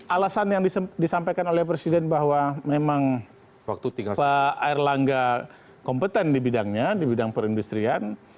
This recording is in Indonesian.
alasan yang disampaikan oleh presiden bahwa memang pak airlangga kompeten dibidangnya dibidang perindustrian